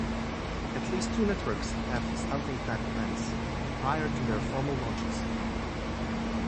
At least two networks have used stunting-type events prior to their formal launches.